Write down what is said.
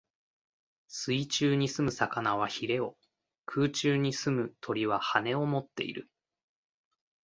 水中に棲む魚は鰭を、空中に棲む鳥は翅をもっている。